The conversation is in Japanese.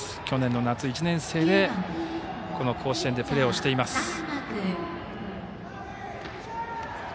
去年の夏、１年生でこの甲子園でプレーしています。